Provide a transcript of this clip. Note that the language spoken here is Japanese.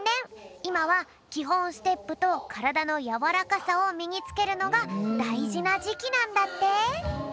いまはきほんステップとからだのやわらかさをみにつけるのがだいじなじきなんだって！